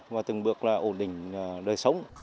hoặc là ổn định đời sống